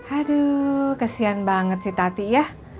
aduh kesian banget sih tati ya